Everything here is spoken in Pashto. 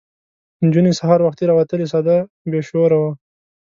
نجونې سهار وختي راوتلې سده بې شوره وه.